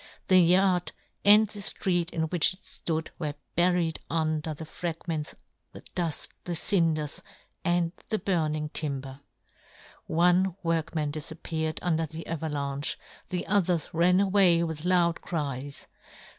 The 86 yohn Gutenberg. yard, and the ftreet in which it flood were buried under the fragments, the duft, the cinders, and the burning timber. One workman difappeared under the avalanche, the others ran away with loud cries.